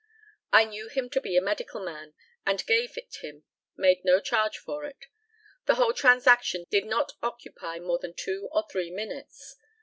I knew him to be a medical man, and gave it him, made no charge for it. The whole transaction did not occupy more than two or three minutes.